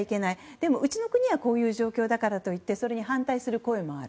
でも、うちの国はこういう状況だからといってそれに反対する声もある。